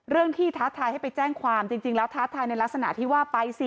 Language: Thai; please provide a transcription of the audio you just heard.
เรื่องที่ท้าทายให้ไปแจ้งความจริงแล้วท้าทายในลักษณะที่ว่าไปสิ